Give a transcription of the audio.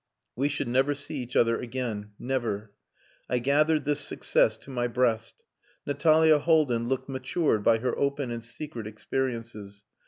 We should never see each other again. Never! I gathered this success to my breast. Natalia Haldin looked matured by her open and secret experiences.